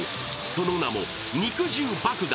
その名も肉汁爆弾！